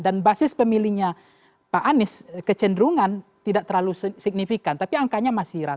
dan basis pemilihnya pak anies kecenderungan tidak terlalu signifikan tapi angkanya masih rata